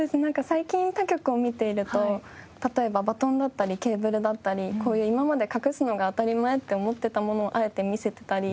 最近他局を見ていると例えばバトンだったりケーブルだったりこういう今まで隠すのが当たり前と思っていたものをあえて見せていたり。